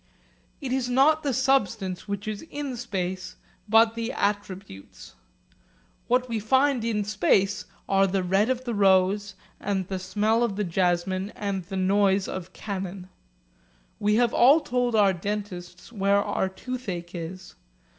It is not the substance which is in space, but the attributes. What we find in space are the red of the rose and the smell of the jasmine and the noise of cannon. We have all told our dentists where our toothache is.